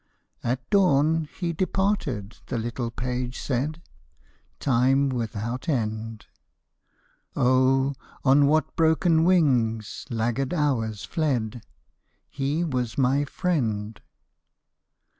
' At dawn he departed,' the little page said. — Time without end. Oh, on what broken wings laggard hours fled ! He was my friend.